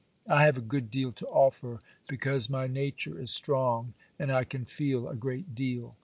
I have a good deal to offer, because my nature is strong and I can feel a great deal.